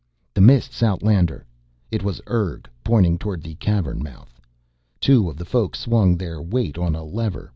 "The Mists, Outlander." It was Urg, pointing toward the Cavern mouth. Two of the Folk swung their weight on a lever.